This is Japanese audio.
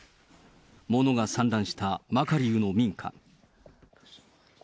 物が散乱したマカリウの民家。